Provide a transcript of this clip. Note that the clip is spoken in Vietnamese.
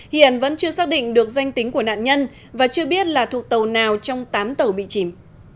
hiện vẫn chưa xác định được danh tính của nạn nhân và chưa biết là thuộc tàu nào trong tám tàu bị chìm